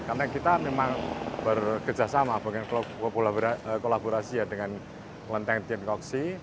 karena kita memang bekerjasama dengan klub klub kolaborasi ya dengan lenteng tiengkoksi